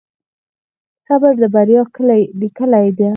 صبر د بریا کیلي ده؟